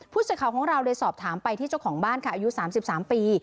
ผู้สื่อข่าวของเราเลยสอบถามไปที่เจ้าของบ้านค่ะอายุ๓๓ปี